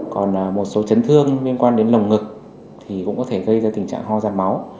còn một số chấn thương liên quan đến lồng ngực thì cũng có thể gây ra tình trạng ho da máu